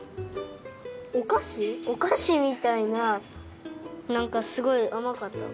おかしみたいななんかすごいあまかった。